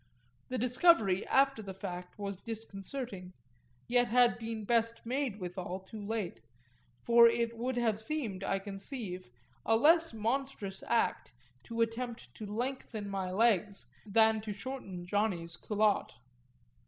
The discovery, after the fact, was disconcerting yet had been best made withal, too late; for it would have seemed, I conceive, a less monstrous act to attempt to lengthen my legs than to shorten Johnny's culotte.